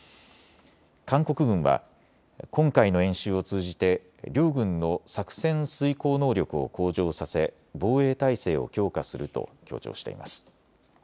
韓国軍は今回の演習を通じて両軍の作戦遂行能力を向上させ防衛態勢を強化すると強調しています。